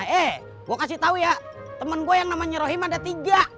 eh gue kasih tau ya temen gue yang namanya rohim ada tiga